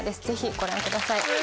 ぜひご覧ください。